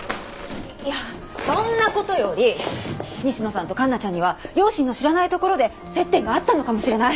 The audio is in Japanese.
いやそんな事より西野さんと環奈ちゃんには両親の知らないところで接点があったのかもしれない。